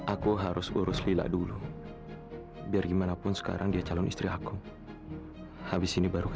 aku harus urus lila dulu biar gimana pun sekarang dia calon istri aku habis ini baru